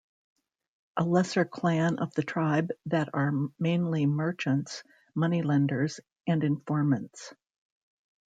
A lesser clan of the Tribe that are mainly merchants, money lenders and informants.